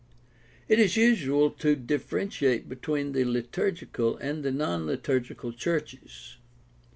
— It is usual to differ entiate between the liturgical and the non liturgical churches.